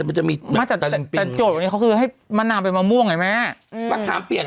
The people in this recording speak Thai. มันจะมีแต่โจทย์วันนี้เขาคือให้มะนาวเป็นมะม่วงไงแม่อืมมะค้ามเปียกอ่ะ